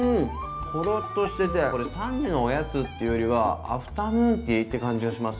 ホロッとしててこれ３時のおやつっていうよりはアフタヌーンティーって感じがします。